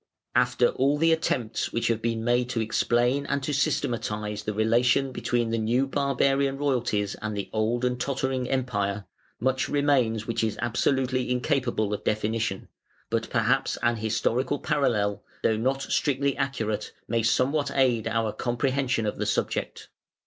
After all the attempts which have been made to explain and to systematise the relation between the new barbarian royalties and the old and tottering Empire, much remains which is absolutely incapable of definition, but perhaps an historical parallel, though not strictly accurate, may somewhat aid our comprehension of the subject.